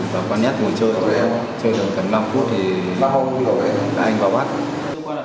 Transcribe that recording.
và có nét ngồi chơi chơi được gần năm phút thì anh vào bắt